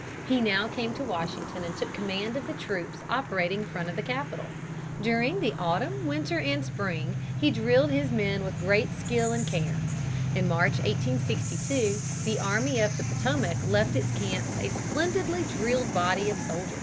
He now came to Washington and took command of the troops operating in front of the capital. During the autumn, winter, and spring he drilled his men with great skill and care. In March, 1862, the Army of the Potomac left its camps a splendidly drilled body of soldiers.